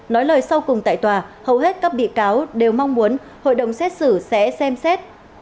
nói lời sau cùng tại tòa hầu hết các bị cáo đều mong muốn hội đồng xét xử sẽ xem xét